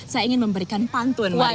saya ingin memberikan pantun